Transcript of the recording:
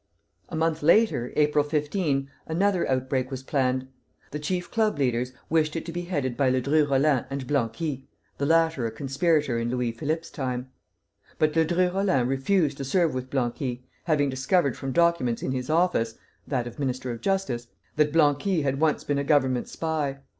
A month later, April 15, another outbreak was planned. The chief club leaders wished it to be headed by Ledru Rollin and Blanqui, the latter a conspirator in Louis Philippe's time. But Ledru Rollin refused to serve with Blanqui, having discovered from documents in his office (that of Minister of Justice) that Blanqui had once been a Government spy.